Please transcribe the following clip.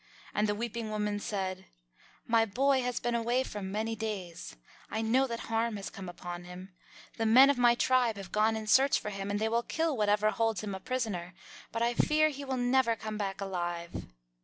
And the weeping woman said, "My boy has been away for many days. I know that harm has come upon him. The men of my tribe have gone in search of him, and they will kill whatever holds him a prisoner, but I fear he will never come back alive."